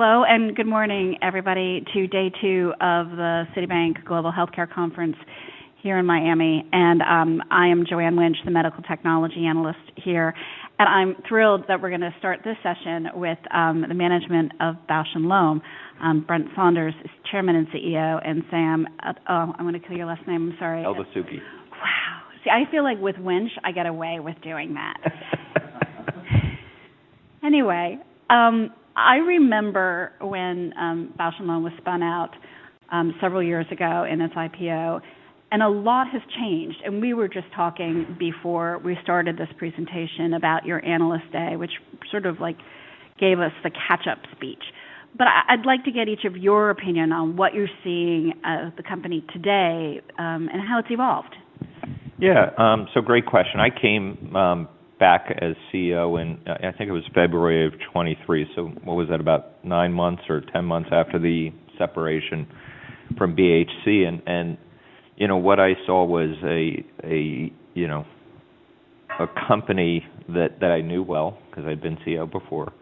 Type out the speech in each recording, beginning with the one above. Hello, and good morning, everybody, to day two of the Citibank Global Healthcare conference here in Miami. And I am Joanne Lynch, the medical technology analyst here. And I'm thrilled that we're going to start this session with the management of Bausch + Lomb. Brent Saunders is Chairman and CEO, and Sam, oh, I'm going to call your last name. I'm sorry. Eldessouky. Wow. See, I feel like with Lynch, I get away with doing that. Anyway, I remember when Bausch + Lomb was spun out several years ago in its IPO, and a lot has changed, and we were just talking before we started this presentation about your analyst day, which sort of gave us the catch-up speech, but I'd like to get each of your opinion on what you're seeing of the company today and how it's evolved. Yeah. So great question. I came back as CEO in, I think it was February of 2023, so what was that, about nine months or 10 months after the separation from BHC. And what I saw was a company that I knew well because I'd been CEO before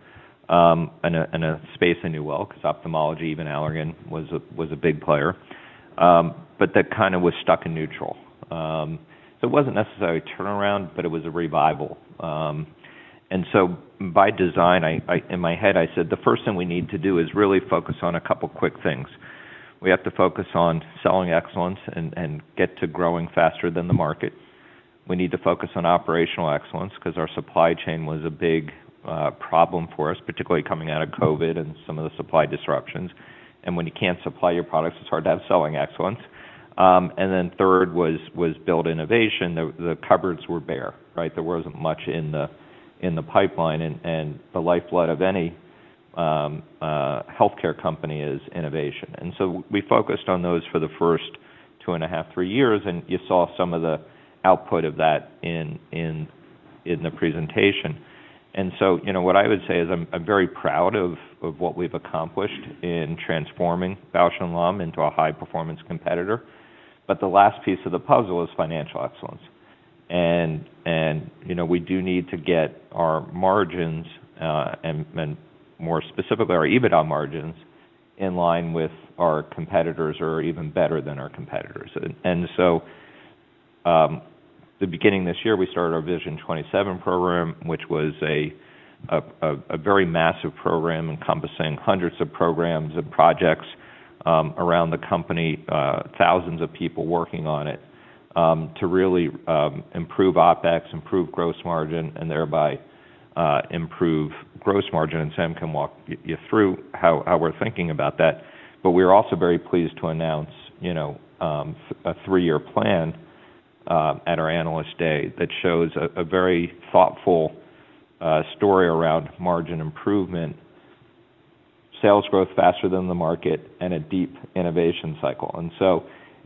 and a space I knew well because ophthalmology, even Allergan, was a big player. But that kind of was stuck in neutral. So it wasn't necessarily a turnaround, but it was a revival. And so by design, in my head, I said, "The first thing we need to do is really focus on a couple of quick things. We have to focus on selling excellence and get to growing faster than the market. We need to focus on operational excellence because our supply chain was a big problem for us, particularly coming out of COVID and some of the supply disruptions. And when you can't supply your products, it's hard to have selling excellence." And then third was build innovation. The cupboards were bare. There wasn't much in the pipeline, and the lifeblood of any healthcare company is innovation. And so we focused on those for the first two and a half, three years, and you saw some of the output of that in the presentation. And so what I would say is I'm very proud of what we've accomplished in transforming Bausch + Lomb into a high-performance competitor. But the last piece of the puzzle is financial excellence. And we do need to get our margins, and more specifically our EBITDA margins, in line with our competitors or even better than our competitors. At the beginning this year, we started our Vision 27 program, which was a very massive program encompassing hundreds of programs and projects around the company, thousands of people working on it to really improve OpEx, improve gross margin, and thereby improve gross margin. Sam can walk you through how we're thinking about that. We're also very pleased to announce a three-year plan at our analyst day that shows a very thoughtful story around margin improvement, sales growth faster than the market, and a deep innovation cycle.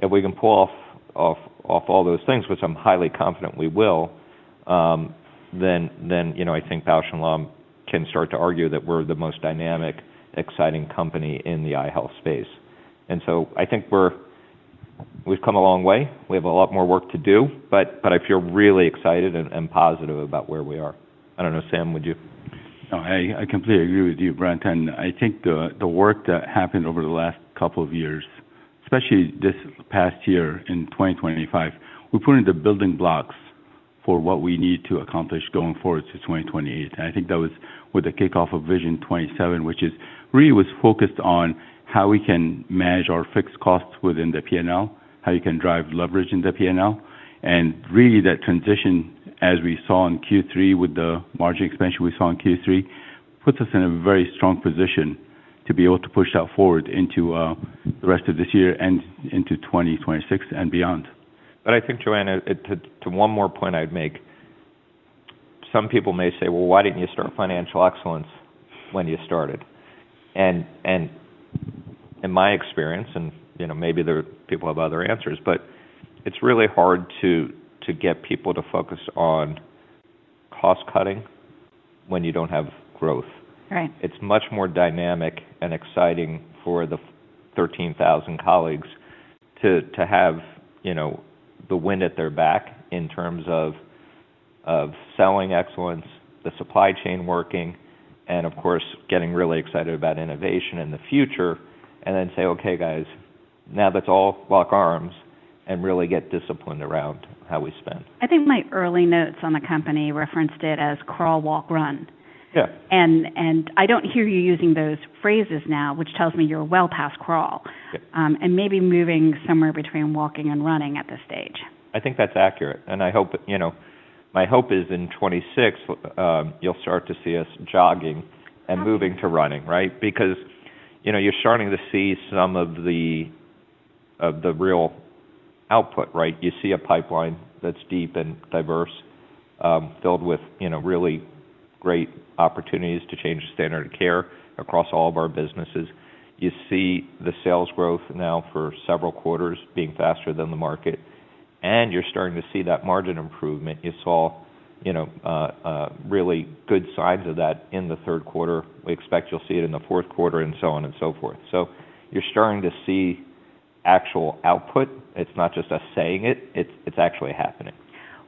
If we can pull off all those things, which I'm highly confident we will, then I think Bausch + Lomb can start to argue that we're the most dynamic, exciting company in the eye health space. I think we've come a long way. We have a lot more work to do, but I feel really excited and positive about where we are. I don't know, Sam, would you? No, I completely agree with you, Brent. And I think the work that happened over the last couple of years, especially this past year in 2025, we put in the building blocks for what we need to accomplish going forward to 2028. And I think that was with the kickoff of Vision 27, which really was focused on how we can manage our fixed costs within the P&L, how you can drive leverage in the P&L. And really, that transition, as we saw in Q3 with the margin expansion we saw in Q3, puts us in a very strong position to be able to push that forward into the rest of this year and into 2026 and beyond. But I think, Joanne, to one more point I'd make, some people may say, "Well, why didn't you start financial excellence when you started?" And in my experience, and maybe the people have other answers, but it's really hard to get people to focus on cost-cutting when you don't have growth. It's much more dynamic and exciting for the 13,000 colleagues to have the wind at their back in terms of selling excellence, the supply chain working, and of course, getting really excited about innovation in the future, and then say, "Okay, guys, now that's all lock arms," and really get disciplined around how we spend. I think my early notes on the company referenced it as crawl, walk, run, and I don't hear you using those phrases now, which tells me you're well past crawl and maybe moving somewhere between walking and running at this stage. I think that's accurate. And my hope is in 2026, you'll start to see us jogging and moving to running, right? Because you're starting to see some of the real output, right? You see a pipeline that's deep and diverse, filled with really great opportunities to change the standard of care across all of our businesses. You see the sales growth now for several quarters being faster than the market, and you're starting to see that margin improvement. You saw really good signs of that in the third quarter. We expect you'll see it in the fourth quarter and so on and so forth, so you're starting to see actual output. It's not just us saying it. It's actually happening.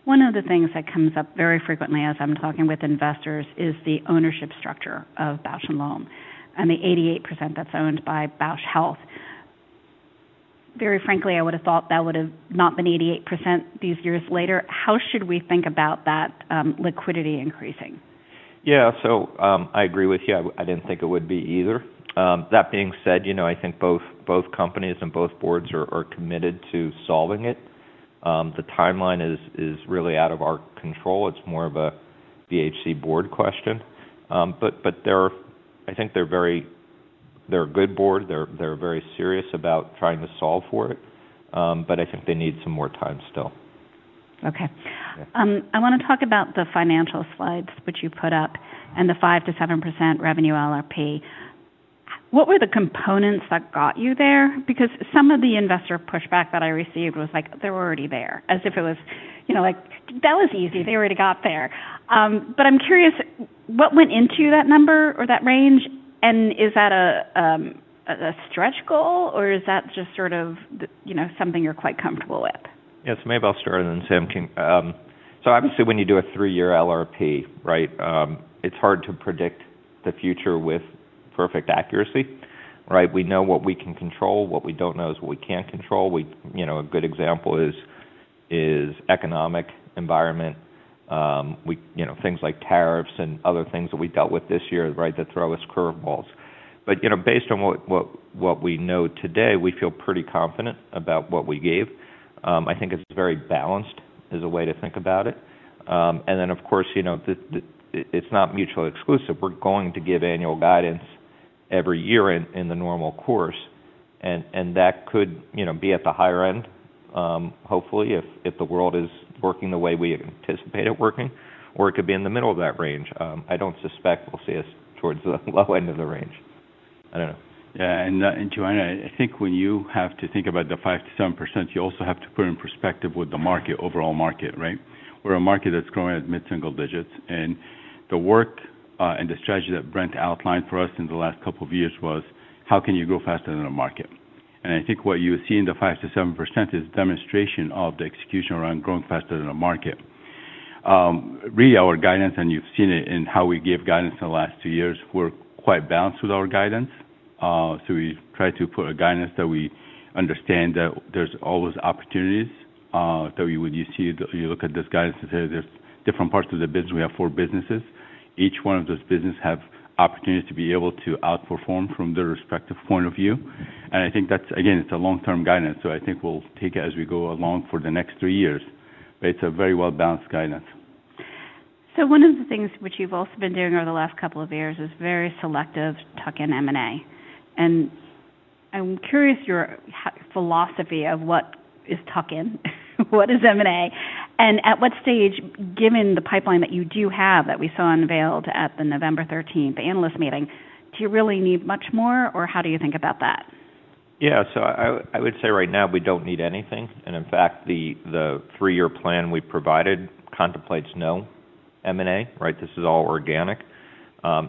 One of the things that comes up very frequently as I'm talking with investors is the ownership structure of Bausch + Lomb. I'm the 88% that's owned by Bausch Health. Very frankly, I would have thought that would have not been 88% these years later. How should we think about that liquidity increasing? Yeah, so I agree with you. I didn't think it would be either. That being said, I think both companies and both boards are committed to solving it. The timeline is really out of our control. It's more of a BHC board question, but I think they're a good board. They're very serious about trying to solve for it, but I think they need some more time still. Okay. I want to talk about the financial slides, which you put up, and the 5%-7% revenue LRP. What were the components that got you there? Because some of the investor pushback that I received was like, "They're already there," as if it was like, "That was easy. They already got there." But I'm curious, what went into that number or that range? And is that a stretch goal, or is that just sort of something you're quite comfortable with? Yeah. So maybe I'll start and then Sam can. So obviously, when you do a three-year LRP, it's hard to predict the future with perfect accuracy. We know what we can control. What we don't know is what we can't control. A good example is economic environment, things like tariffs and other things that we dealt with this year that throw us curveballs. But based on what we know today, we feel pretty confident about what we gave. I think it's very balanced as a way to think about it. And then, of course, it's not mutually exclusive. We're going to give annual guidance every year in the normal course. And that could be at the higher end, hopefully, if the world is working the way we anticipate it working, or it could be in the middle of that range. I don't suspect we'll see us towards the low end of the range. I don't know. Yeah. And Joanne, I think when you have to think about the 5%-7%, you also have to put it in perspective with the market, overall market, right? We're a market that's growing at mid-single digits percent. And the work and the strategy that Brent outlined for us in the last couple of years was, how can you grow faster than the market? And I think what you see in the 5%-7% is a demonstration of the execution around growing faster than the market. Really, our guidance, and you've seen it in how we gave guidance in the last two years, we're quite balanced with our guidance. So we try to put a guidance that we understand that there's always opportunities that you see. You look at this guidance and say, "There's different parts of the business." We have four businesses. Each one of those businesses has opportunities to be able to outperform from their respective point of view, and I think, again, it's a long-term guidance, so I think we'll take it as we go along for the next three years, but it's a very well-balanced guidance. So, one of the things which you've also been doing over the last couple of years is very selective tuck-in M&A. And I'm curious your philosophy of what is tuck-in, what is M&A, and at what stage, given the pipeline that you do have that we saw unveiled at the November 13th analyst meeting, do you really need much more, or how do you think about that? Yeah, so I would say right now, we don't need anything, and in fact, the three-year plan we provided contemplates no M&A. This is all organic.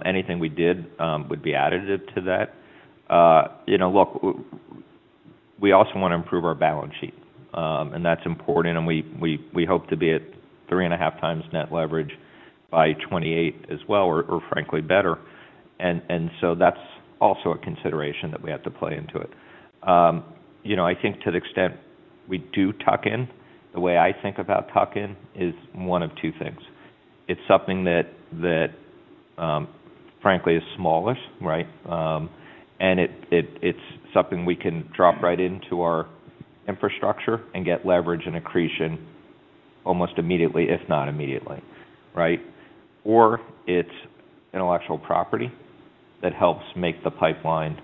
Anything we did would be additive to that. Look, we also want to improve our balance sheet, and that's important, and we hope to be at three and 0.5x net leverage by 2028 as well, or frankly, better. And so that's also a consideration that we have to play into it. I think to the extent we do tuck-in, the way I think about tuck-in is one of two things. It's something that, frankly, is smallish, and it's something we can drop right into our infrastructure and get leverage and accretion almost immediately, if not immediately, or it's intellectual property that helps make the pipeline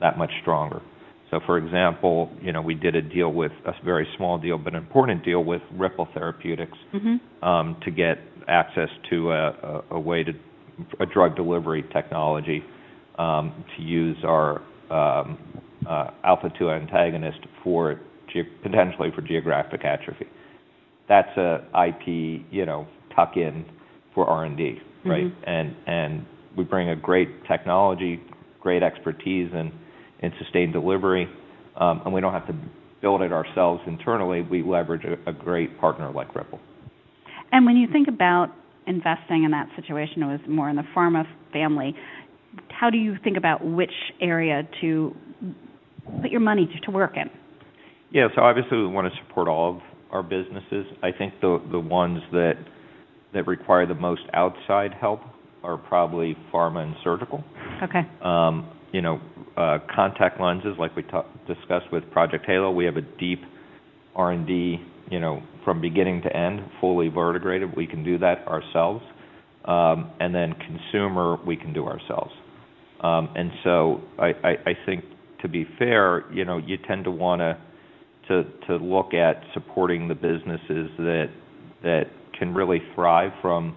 that much stronger. So, for example, we did a deal with a very small deal, but an important deal with Ripple Therapeutics to get access to a drug delivery technology to use our alpha-2 agonist potentially for geographic atrophy. That's an IP tuck-in for R&D. We bring a great technology, great expertise in sustained delivery, and we don't have to build it ourselves internally. We leverage a great partner like Ripple. And when you think about investing in that situation, it was more in the pharma family. How do you think about which area to put your money to work in? Yeah. So obviously, we want to support all of our businesses. I think the ones that require the most outside help are probably pharma and surgical. Contact lenses, like we discussed with Project Halo, we have a deep R&D from beginning to end, fully vertically integrated. We can do that ourselves. And then consumer, we can do ourselves. And so I think, to be fair, you tend to want to look at supporting the businesses that can really thrive from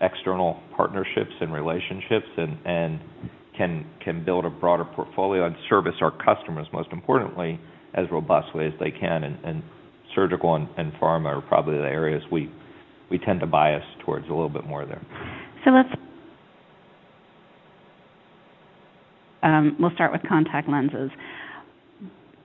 external partnerships and relationships and can build a broader portfolio and service our customers, most importantly, as robustly as they can. And surgical and pharma are probably the areas we tend to bias towards a little bit more there. We'll start with contact lenses.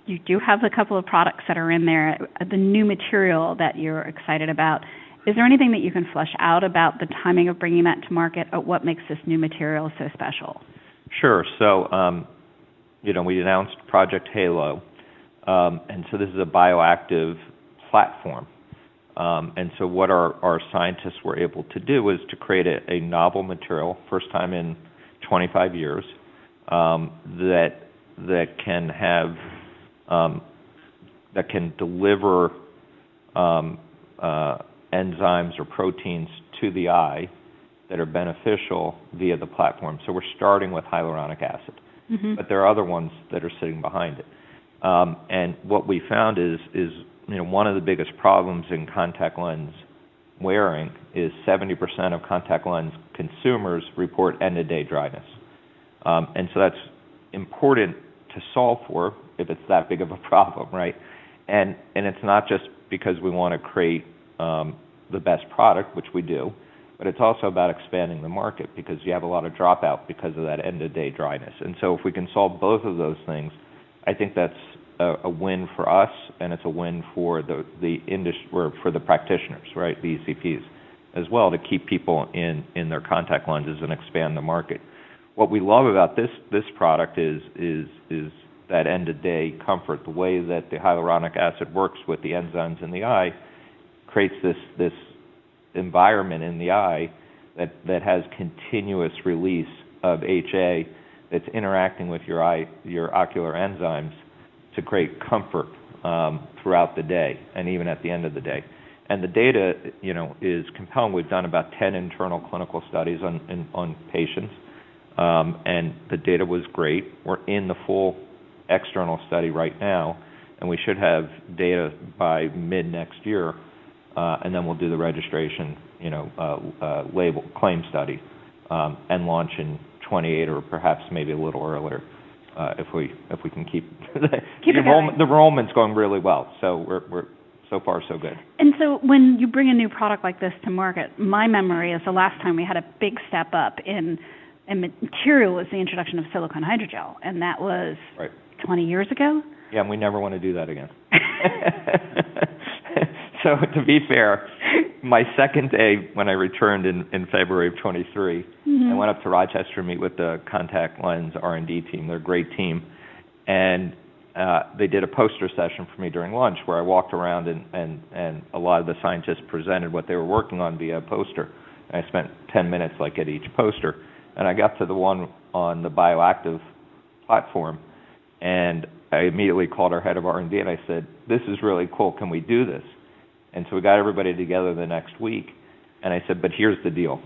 You do have a couple of products that are in there. The new material that you're excited about, is there anything that you can flesh out about the timing of bringing that to market? What makes this new material so special? Sure. We announced Project Halo, and so this is a bioactive platform. What our scientists were able to do was to create a novel material, first time in 25 years, that can deliver enzymes or proteins to the eye that are beneficial via the platform. We're starting with hyaluronic acid, but there are other ones that are sitting behind it. What we found is one of the biggest problems in contact lens wearing is 70% of contact lens consumers report end-of-day dryness, and so that's important to solve for if it's that big of a problem, right? It's not just because we want to create the best product, which we do, but it's also about expanding the market because you have a lot of dropout because of that end-of-day dryness. So if we can solve both of those things, I think that's a win for us, and it's a win for the practitioners, the ECPs, as well, to keep people in their contact lenses and expand the market. What we love about this product is that end-of-day comfort. The way that the hyaluronic acid works with the enzymes in the eye creates this environment in the eye that has continuous release of HA that's interacting with your ocular enzymes to create comfort throughout the day and even at the end of the day. The data is compelling. We've done about 10 internal clinical studies on patients, and the data was great. We're in the full external study right now, and we should have data by mid-next year. And then we'll do the registration claim study and launch in 2028 or perhaps maybe a little earlier if we can keep the enrollments going really well. So far, so good. When you bring a new product like this to market, my memory is the last time we had a big step up in material was the introduction of silicone hydrogel. That was 20 years ago. Yeah. And we never want to do that again. So to be fair, my second day when I returned in February of 2023, I went up to Rochester to meet with the contact lens R&D team. They're a great team. And they did a poster session for me during lunch where I walked around, and a lot of the scientists presented what they were working on via a poster. And I spent 10 minutes at each poster. And I got to the one on the bioactive platform, and I immediately called our head of R&D, and I said, "This is really cool. Can we do this?" And so we got everybody together the next week. And I said, "But here's the deal.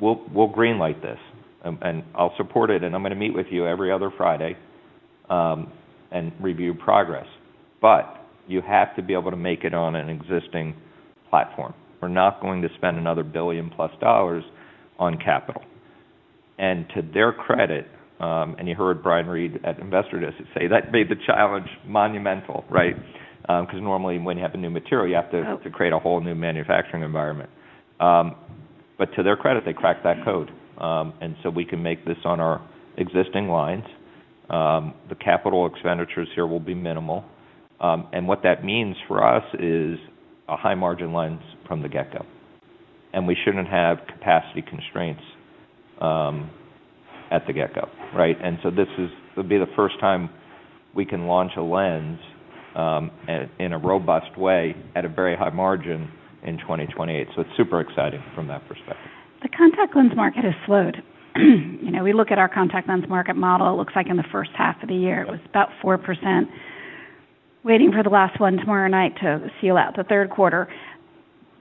We'll greenlight this, and I'll support it, and I'm going to meet with you every other Friday and review progress. But you have to be able to make it on an existing platform. We're not going to spend another $1 billion+ on capital." And to their credit, and you heard Brian Reed at Investor Day say that made the challenge monumental, right? Because normally, when you have a new material, you have to create a whole new manufacturing environment. But to their credit, they cracked that code. And so we can make this on our existing lines. The capital expenditures here will be minimal. And what that means for us is a high-margin lens from the get-go. And we shouldn't have capacity constraints at the get-go. And so this will be the first time we can launch a lens in a robust way at a very high margin in 2028. So it's super exciting from that perspective. The contact lens market has slowed. We look at our contact lens market model. It looks like in the first half of the year, it was about 4%. Waiting for the last one tomorrow night to close out the third quarter.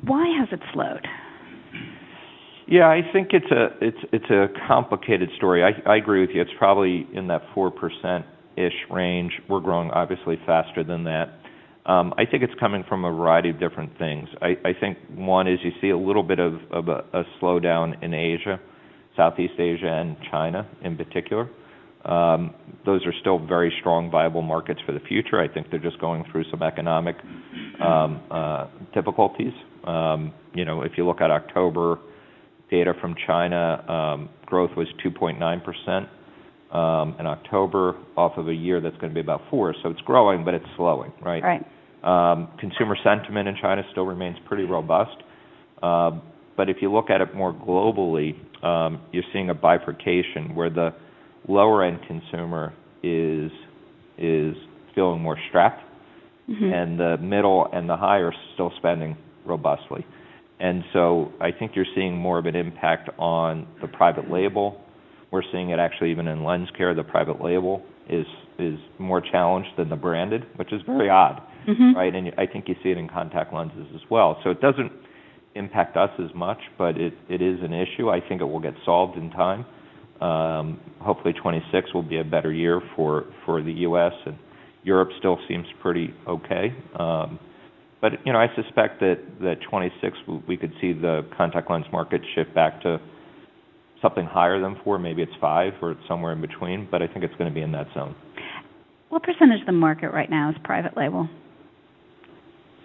Why has it slowed? Yeah. I think it's a complicated story. I agree with you. It's probably in that 4%-ish range. We're growing obviously faster than that. I think it's coming from a variety of different things. I think one is you see a little bit of a slowdown in Asia, Southeast Asia, and China in particular. Those are still very strong, viable markets for the future. I think they're just going through some economic difficulties. If you look at October data from China, growth was 2.9% in October, off of a year that's going to be about 4%. So it's growing, but it's slowing, right? Consumer sentiment in China still remains pretty robust. But if you look at it more globally, you're seeing a bifurcation where the lower-end consumer is feeling more strapped, and the middle and the high are still spending robustly. And so I think you're seeing more of an impact on the private label. We're seeing it actually even in lens care. The private label is more challenged than the branded, which is very odd. And I think you see it in contact lenses as well. So it doesn't impact us as much, but it is an issue. I think it will get solved in time. Hopefully, 2026 will be a better year for the U.S. And Europe still seems pretty okay. But I suspect that 2026, we could see the contact lens market shift back to something higher than 4%. Maybe it's 5% or somewhere in between. But I think it's going to be in that zone. What percentage of the market right now is private label?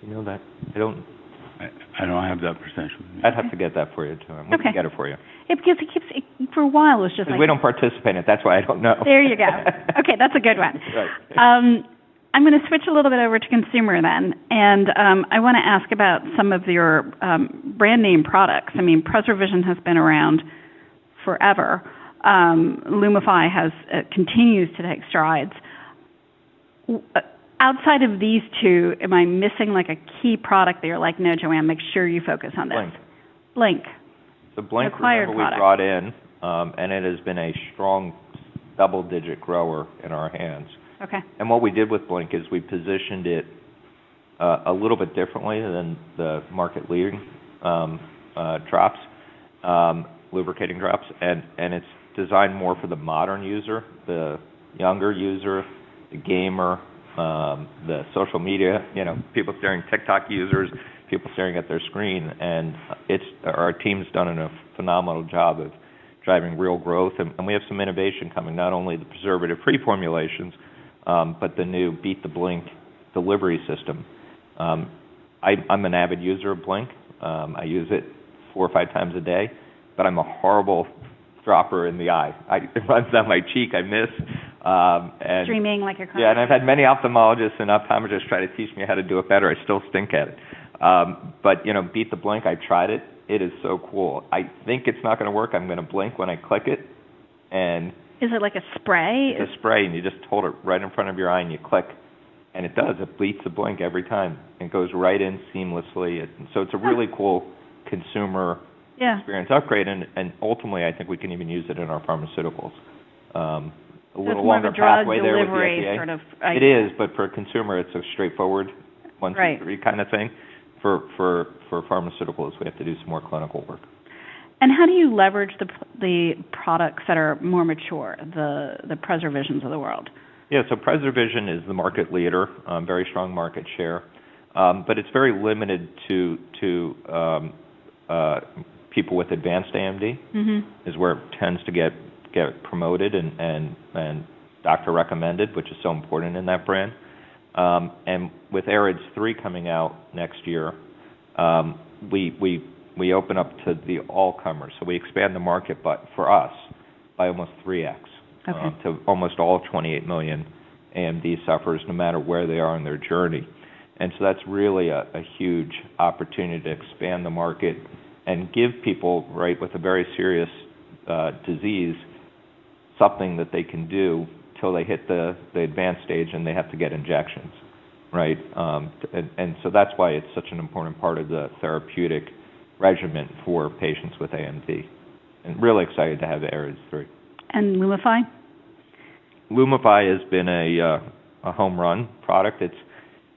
Do you know that?I don't. I don't have that percentage. I'd have to get that for you too. I'm going to get it for you. For a while, it was just like. We don't participate in it. That's why I don't know. There you go. Okay. That's a good one. I'm going to switch a little bit over to consumer then. And I want to ask about some of your brand name products. I mean, PreserVision has been around forever. Lumify continues to take strides. Outside of these two, am I missing a key product that you're like, "No, Joanne, make sure you focus on this"? Blink. Blink. The Blink was brought in, and it has been a strong double-digit grower in our hands, and what we did with Blink is we positioned it a little bit differently than the market-leading lubricating drops, and it's designed more for the modern user, the younger user, the gamer, the social media, people staring, TikTok users, people staring at their screen, and our team's done a phenomenal job of driving real growth, and we have some innovation coming, not only the preservative-free formulations, but the new Beat the Blink delivery system. I'm an avid user of Blink. I use it 4x or 5x a day, but I'm a horrible dropper in the eye. It runs down my cheek. I miss. Streaming like your car. Yeah. And I've had many ophthalmologists and optometrists try to teach me how to do it better. I still stink at it. But Beat the Blink, I tried it. It is so cool. I think it's not going to work. I'm going to blink when I click it. Is it like a spray? It's a spray, and you just hold it right in front of your eye, and you click, and it does. It Beat the Blink every time. It goes right in seamlessly. So it's a really cool consumer experience upgrade. And ultimately, I think we can even use it in our pharmaceuticals. A little longer pathway there would be a. So it's a delivery sort of. It is, but for a consumer, it's a straightforward once-and-three kind of thing. For pharmaceuticals, we have to do some more clinical work. How do you leverage the products that are more mature, the PreserVision of the world? Yeah. So PreserVision is the market leader, very strong market share. But it's very limited to people with advanced AMD, is where it tends to get promoted and doctor-recommended, which is so important in that brand. And with AREDS 3 coming out next year, we open up to the all-comers. So we expand the market, but for us, by almost 3x to almost all 28 million AMD sufferers, no matter where they are in their journey. And so that's really a huge opportunity to expand the market and give people, right, with a very serious disease, something that they can do till they hit the advanced stage, and they have to get injections, right? And so that's why it's such an important part of the therapeutic regimen for patients with AMD. And really excited to have AREDS 3. And Lumify? Lumify has been a home-run product.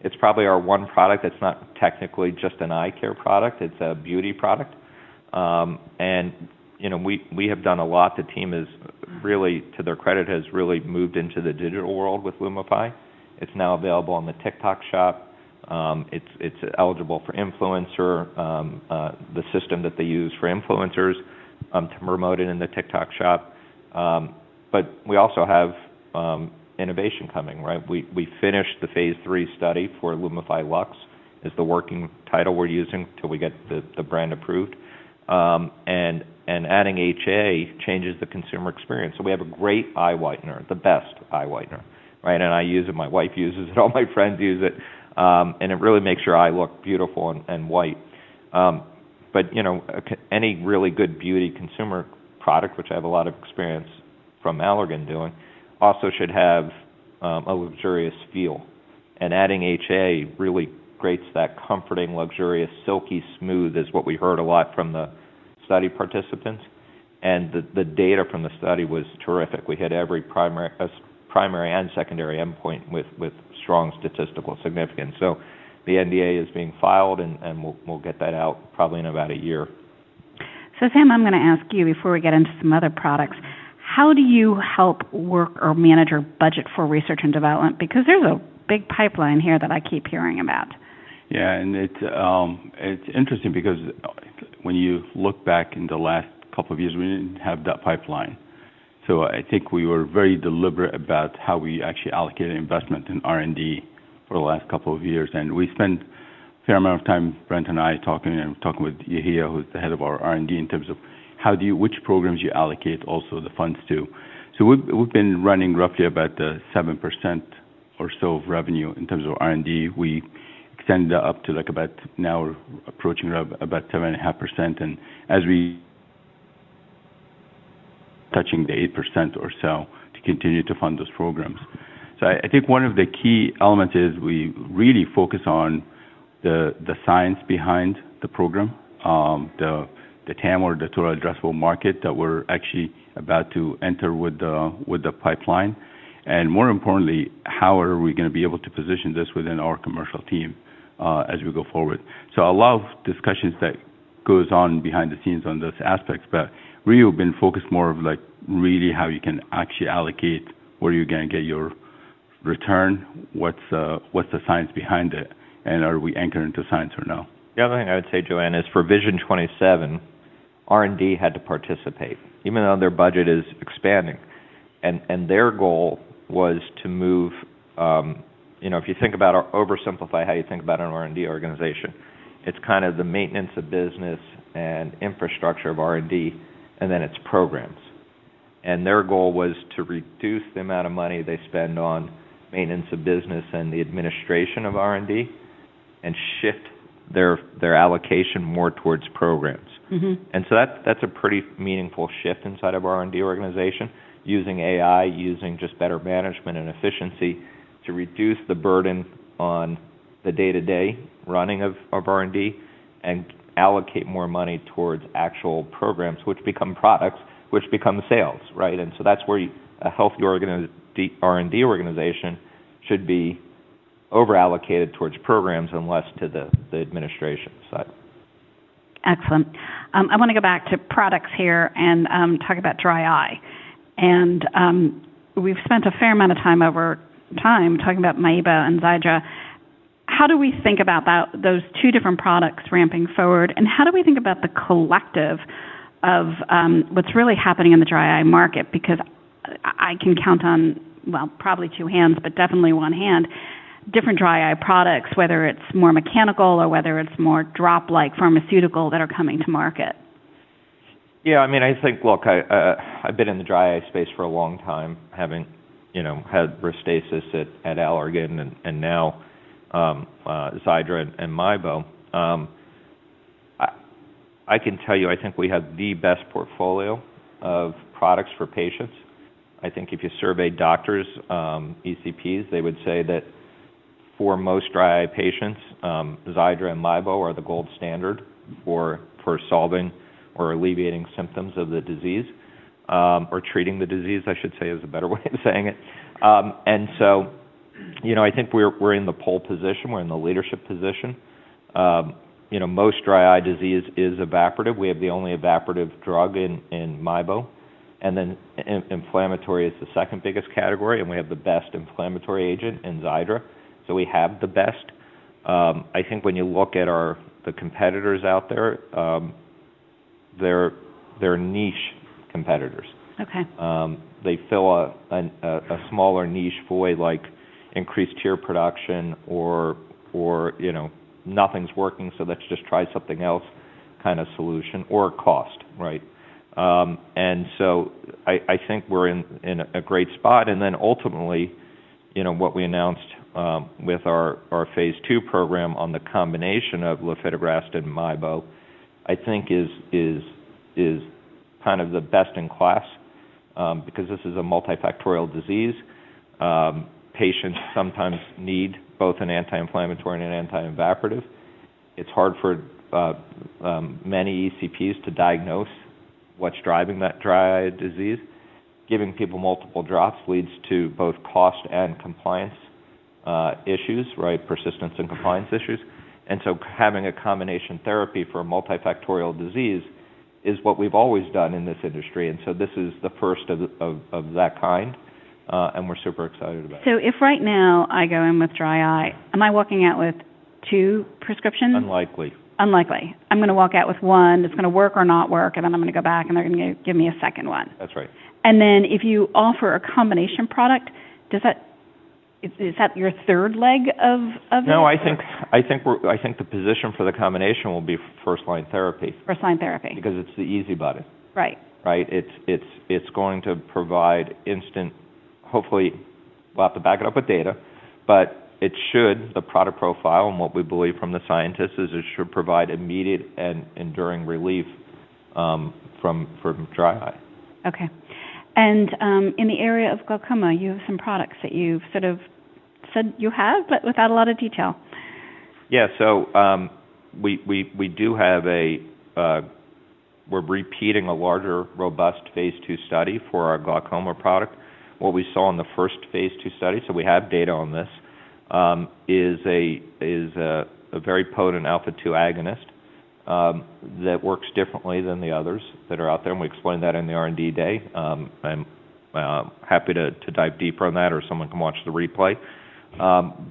It's probably our one product that's not technically just an eye care product. It's a beauty product, and we have done a lot. The team is really, to their credit, has really moved into the digital world with Lumify. It's now available on the TikTok shop. It's eligible for influencer, the system that they use for influencers to promote it in the TikTok shop, but we also have innovation coming, right? We finished the phase III study for Lumify Luxe, is the working title we're using till we get the brand approved, and adding HA changes the consumer experience. So we have a great eye whitener, the best eye whitener, right? And I use it. My wife uses it. All my friends use it, and it really makes your eye look beautiful and white. But any really good beauty consumer product, which I have a lot of experience from Allergan doing, also should have a luxurious feel. And adding HA really creates that comforting, luxurious, silky smooth, is what we heard a lot from the study participants. And the data from the study was terrific. We hit every primary and secondary endpoint with strong statistical significance. So the NDA is being filed, and we'll get that out probably in about a year. So Sam, I'm going to ask you before we get into some other products, how do you help work or manage your budget for research and development? Because there's a big pipeline here that I keep hearing about. Yeah. And it's interesting because when you look back in the last couple of years, we didn't have that pipeline. So I think we were very deliberate about how we actually allocate investment in R&D for the last couple of years. And we spend a fair amount of time, Brent and I, talking and talking with Yehia, who's the head of our R&D, in terms of which programs you allocate also the funds to. So we've been running roughly about 7% or so of revenue in terms of R&D. We extended that up to about; now we're approaching about 7.5%. And as we touching the 8% or so to continue to fund those programs. So I think one of the key elements is we really focus on the science behind the program, the TAM, or the total addressable market that we're actually about to enter with the pipeline. And more importantly, how are we going to be able to position this within our commercial team as we go forward? So a lot of discussions that goes on behind the scenes on those aspects. But really, we've been focused more of really how you can actually allocate where you're going to get your return, what's the science behind it, and are we anchored into science or no? The other thing I would say, Joanne, is for Vision 27, R&D had to participate, even though their budget is expanding. And their goal was to move, if you think about or oversimplify how you think about an R&D organization, it's kind of the maintenance of business and infrastructure of R&D, and then it's programs. And their goal was to reduce the amount of money they spend on maintenance of business and the administration of R&D and shift their allocation more towards programs. And so that's a pretty meaningful shift inside of our R&D organization, using AI, using just better management and efficiency to reduce the burden on the day-to-day running of R&D and allocate more money towards actual programs, which become products, which become sales, right? And so that's where a healthy R&D organization should be overallocated towards programs and less to the administration side. Excellent. I want to go back to products here and talk about dry eye. And we've spent a fair amount of time talking about Miebo and Xiidra. How do we think about those two different products ramping forward? And how do we think about the collective of what's really happening in the dry eye market? Because I can count on, well, probably two hands, but definitely one hand, different dry eye products, whether it's more mechanical or whether it's more drop-like pharmaceutical that are coming to market. Yeah. I mean, I think, look, I've been in the dry eye space for a long time, having had Restasis at Allergan and now Xiidra and Miebo. I can tell you I think we have the best portfolio of products for patients. I think if you survey doctors, ECPs, they would say that for most dry eye patients, Xiidra and Miebo are the gold standard for solving or alleviating symptoms of the disease or treating the disease, I should say, is a better way of saying it. And so I think we're in the pole position. We're in the leadership position. Most dry eye disease is evaporative. We have the only evaporative drug in Miebo. And then inflammatory is the second biggest category. And we have the best inflammatory agent in Xiidra. So we have the best. I think when you look at the competitors out there, they're niche competitors. They fill a smaller niche void like increased tear production or nothing's working, so let's just try something else kind of solution or cost, right? And so I think we're in a great spot. And then ultimately, what we announced with our phase II program on the combination of Lifitegrast and Miebo, I think is kind of the best in class because this is a multifactorial disease. Patients sometimes need both an anti-inflammatory and an anti-evaporative. It's hard for many ECPs to diagnose what's driving that dry eye disease. Giving people multiple drops leads to both cost and compliance issues, right, persistence and compliance issues. And so having a combination therapy for a multifactorial disease is what we've always done in this industry. And so this is the first of that kind. And we're super excited about it. So if right now I go in with dry eye, am I walking out with two prescriptions? Unlikely. Unlikely. I'm going to walk out with one. It's going to work or not work. And then I'm going to go back, and they're going to give me a second one. That's right. And then if you offer a combination product, is that your third leg of it? No, I think the position for the combination will be first-line therapy. First-line therapy. Because it's the easy button. It's going to provide instant, hopefully, well, I have to back it up with data, but it should, the product profile and what we believe from the scientists is it should provide immediate and enduring relief from dry eye. Okay, and in the area of glaucoma, you have some products that you've sort of said you have, but without a lot of detail. Yeah. So we do have. We're repeating a larger robust phase II study for our glaucoma product. What we saw in the first phase II study, so we have data on this, is a very potent alpha-2 agonist that works differently than the others that are out there. And we explained that in the R&D day. I'm happy to dive deeper on that, or someone can watch the replay.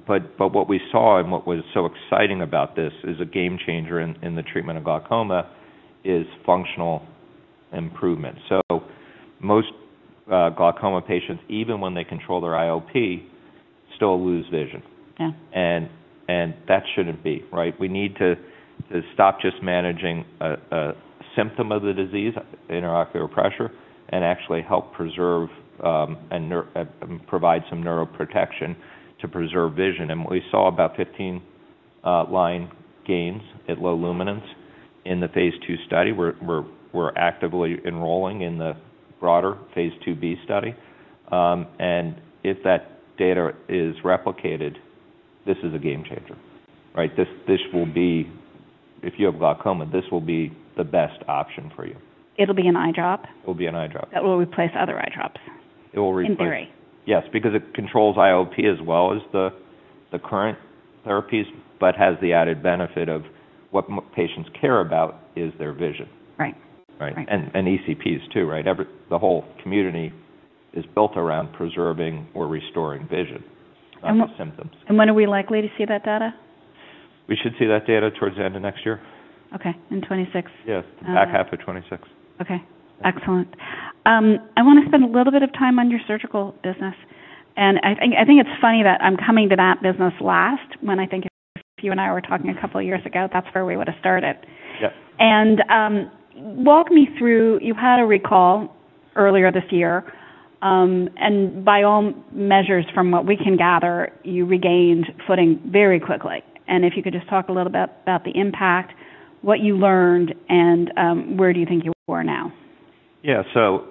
But what we saw and what was so exciting about this is a game changer in the treatment of glaucoma is functional improvement. So most glaucoma patients, even when they control their IOP, still lose vision. And that shouldn't be, right? We need to stop just managing a symptom of the disease, intraocular pressure, and actually help preserve and provide some neuroprotection to preserve vision. And we saw about 15-line gains at low luminance in the phase II study. We're actively enrolling in the broader phase II-B study, and if that data is replicated, this is a game changer, right? If you have glaucoma, this will be the best option for you. It'll be an eye drop? It'll be an eye drop. That will replace other eye drops? It will replace. In theory. Yes, because it controls IOP as well as the current therapies, but has the added benefit of what patients care about is their vision. Right. Right, and ECPs too, right? The whole community is built around preserving or restoring vision and symptoms. When are we likely to see that data? We should see that data towards the end of next year. Okay. In 2026? Yes. Back half of 2026. Okay. Excellent. I want to spend a little bit of time on your surgical business. And I think it's funny that I'm coming to that business last when I think if you and I were talking a couple of years ago, that's where we would have started. Yep. Walk me through, you had a recall earlier this year. By all measures, from what we can gather, you regained footing very quickly. If you could just talk a little bit about the impact, what you learned, and where do you think you are now? Yeah. So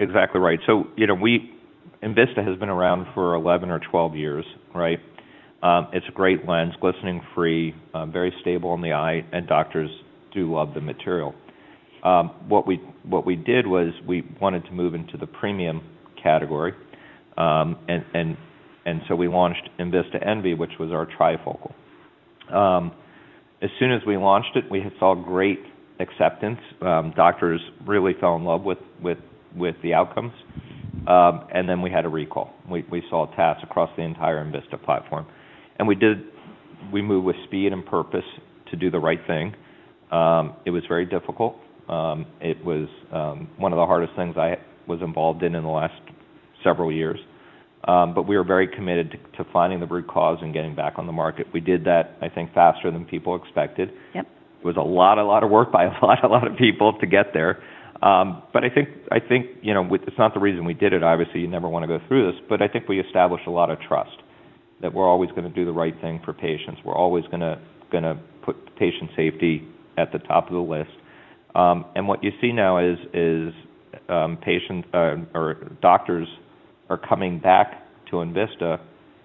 exactly right, so enVista has been around for 11 or 12 years, right? It's a great lens, glistening-free, very stable on the eye, and doctors do love the material. What we did was we wanted to move into the premium category, and so we launched enVista Envy, which was our trifocal. As soon as we launched it, we saw great acceptance. Doctors really fell in love with the outcomes, and then we had a recall. We saw a risk across the entire enVista platform, and we moved with speed and purpose to do the right thing. It was very difficult. It was one of the hardest things I was involved in in the last several years, but we were very committed to finding the root cause and getting back on the market. We did that, I think, faster than people expected. It was a lot, a lot of work by a lot, a lot of people to get there. But I think it's not the reason we did it. Obviously, you never want to go through this. But I think we established a lot of trust that we're always going to do the right thing for patients. We're always going to put patient safety at the top of the list. And what you see now is doctors are coming back to enVista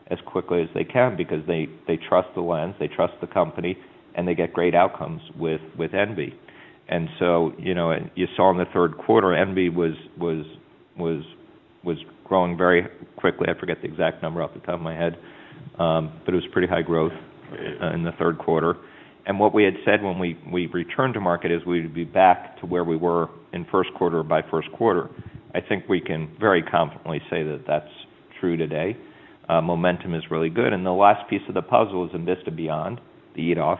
as quickly as they can because they trust the lens, they trust the company, and they get great outcomes with Envy. And so you saw in the third quarter, Envy was growing very quickly. I forget the exact number off the top of my head. But it was pretty high growth in the third quarter. What we had said when we returned to market is we would be back to where we were in first quarter by first quarter. I think we can very confidently say that that's true today. Momentum is really good. The last piece of the puzzle is enVista Beyond, the EDOF.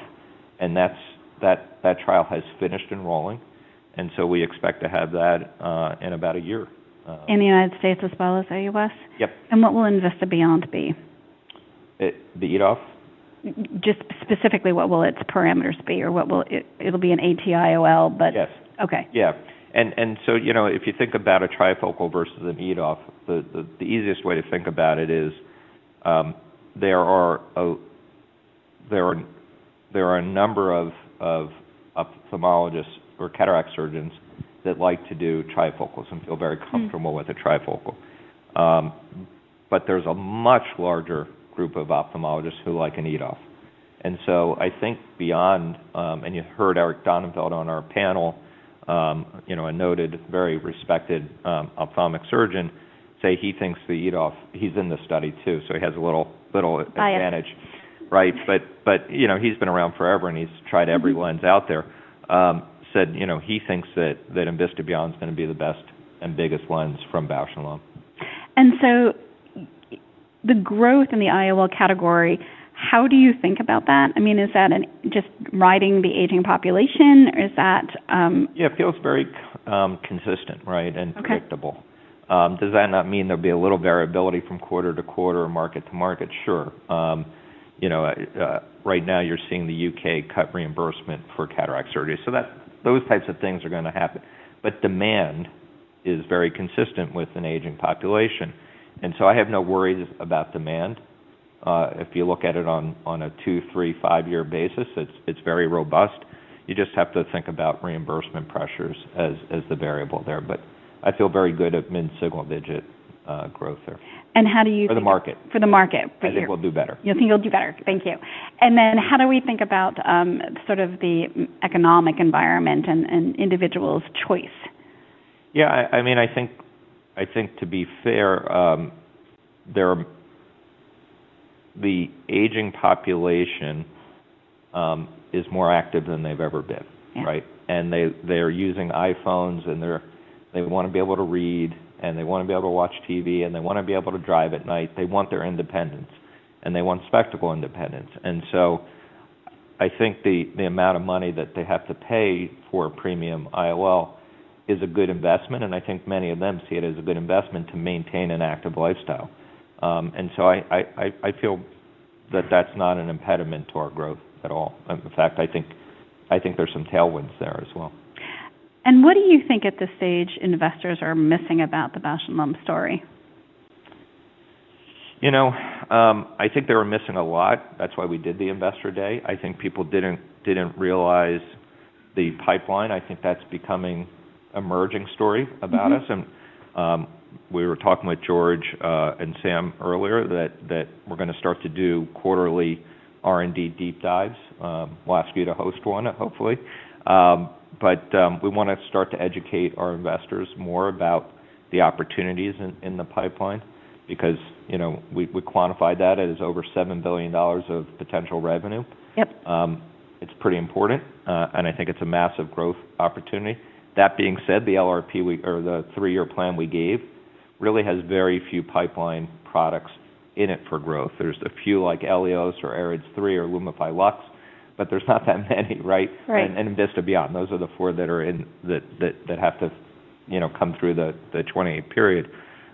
That trial has finished enrolling. So we expect to have that in about a year. In the United States as well as the U.S.? Yep. What will enVista Beyond be? The EDOF? Just specifically, what will its parameters be? Or it'll be an IOL, but. Yes. Okay. Yeah. And so if you think about a trifocal versus an EDOF, the easiest way to think about it is there are a number of ophthalmologists or cataract surgeons that like to do trifocals and feel very comfortable with a trifocal. But there's a much larger group of ophthalmologists who like an EDOF. And so I think Beyond, and you heard Eric Donnenfeld on our panel, a noted very respected ophthalmic surgeon, say he thinks the EDOF, he's in the study too. So he has a little advantage, right? But he's been around forever, and he's tried every lens out there. Said he thinks that enVista Beyond is going to be the best and biggest lens from Bausch + Lomb. And so the growth in the IOL category, how do you think about that? I mean, is that just riding the aging population? Is that? Yeah. It feels very consistent, right, and predictable. Does that not mean there'll be a little variability from quarter to quarter or market to market? Sure. Right now, you're seeing the U.K. cut reimbursement for cataract surgery. So those types of things are going to happen. But demand is very consistent with an aging population. And so I have no worries about demand. If you look at it on a two, three, five-year basis, it's very robust. You just have to think about reimbursement pressures as the variable there. But I feel very good at mid-single-digit growth there. How do you think? For the market. For the market. I think we'll do better. You think you'll do better. Thank you. And then how do we think about sort of the economic environment and individuals' choice? Yeah. I mean, I think to be fair, the aging population is more active than they've ever been, right? And they're using iPhones, and they want to be able to read, and they want to be able to watch TV, and they want to be able to drive at night. They want their independence, and they want spectacle independence. And so I think the amount of money that they have to pay for a premium IOL is a good investment. And I think many of them see it as a good investment to maintain an active lifestyle. And so I feel that that's not an impediment to our growth at all. In fact, I think there's some tailwinds there as well. What do you think at this stage investors are missing about the Bausch + Lomb story? I think they were missing a lot. That's why we did the investor day. I think people didn't realize the pipeline. I think that's becoming an emerging story about us. And we were talking with George and Sam earlier that we're going to start to do quarterly R&D deep dives. We'll ask you to host one, hopefully. But we want to start to educate our investors more about the opportunities in the pipeline because we quantified that as over $7 billion of potential revenue. It's pretty important. And I think it's a massive growth opportunity. That being said, the LRP or the three-year plan we gave really has very few pipeline products in it for growth. There's a few like IOLs or AREDS 3 or Lumify Lux, but there's not that many, right? And enVista Beyond. Those are the four that have to come through the 20-year period.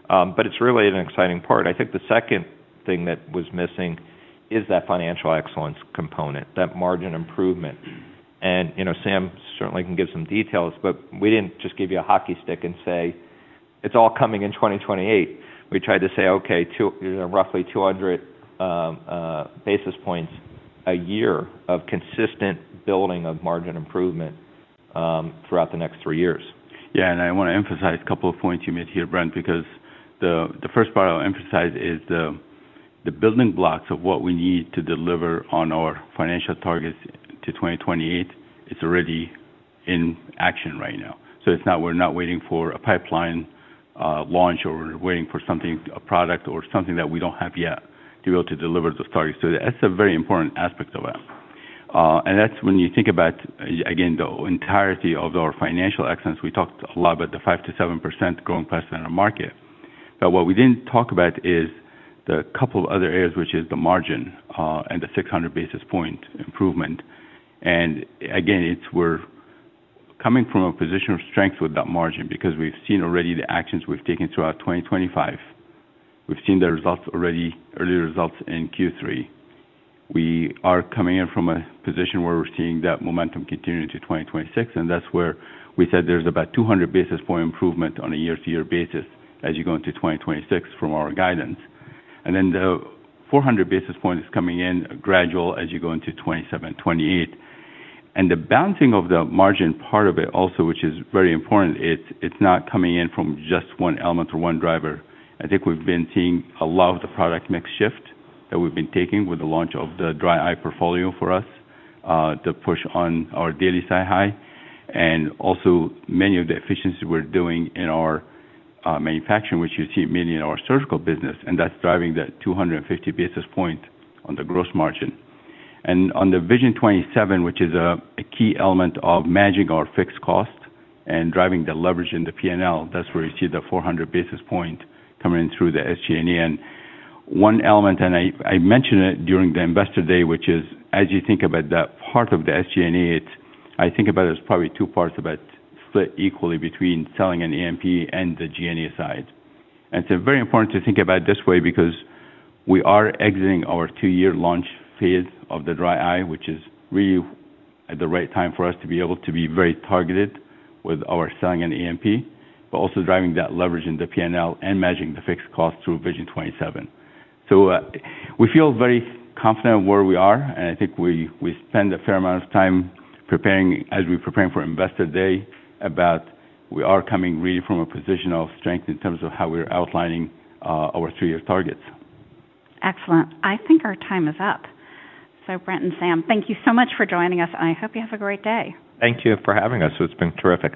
But it's really an exciting part. I think the second thing that was missing is that financial excellence component, that margin improvement. And Sam certainly can give some details, but we didn't just give you a hockey stick and say, "It's all coming in 2028." We tried to say, "Okay, roughly 200 basis points a year of consistent building of margin improvement throughout the next three years." Yeah. And I want to emphasize a couple of points you made here, Brent, because the first part I'll emphasize is the building blocks of what we need to deliver on our financial targets to 2028 is already in action right now. So we're not waiting for a pipeline launch or waiting for something, a product or something that we don't have yet to be able to deliver those targets. So that's a very important aspect of that. And that's when you think about, again, the entirety of our financial excellence. We talked a lot about the 5%-7% growing price in our market. But what we didn't talk about is the couple of other areas, which is the margin and the 600 basis point improvement. And again, we're coming from a position of strength with that margin because we've seen already the actions we've taken throughout 2025. We've seen the results already, early results in Q3. We are coming in from a position where we're seeing that momentum continue into 2026, and that's where we said there's about 200 basis point improvement on a year-to-year basis as you go into 2026 from our guidance, and then the 400 basis point is coming in gradual as you go into 2027, 2028, and the balancing of the margin part of it also, which is very important, it's not coming in from just one element or one driver. I think we've been seeing a lot of the product mix shift that we've been taking with the launch of the dry eye portfolio for us to push on our Daily SiHy. And also many of the efficiencies we're doing in our manufacturing, which you see mainly in our surgical business, and that's driving that 250 basis point on the gross margin. On the Vision 27, which is a key element of managing our fixed cost and driving the leverage in the P&L, that's where you see the 400 basis point coming in through the SG&A. One element, which I mentioned it during the investor day, is as you think about that part of the SG&A, I think about it as probably two parts that split equally between selling and marketing and the G&A side. And it's very important to think about it this way because we are exiting our two-year launch phase of the dry eye, which is really at the right time for us to be able to be very targeted with our selling and M&A, but also driving that leverage in the P&L and managing the fixed cost through Vision 27. So we feel very confident where we are. And I think we spend a fair amount of time preparing as we prepare for investor day about we are coming really from a position of strength in terms of how we're outlining our three-year targets. Excellent. I think our time is up, so Brent and Sam, thank you so much for joining us, and I hope you have a great day. Thank you for having us. It's been terrific.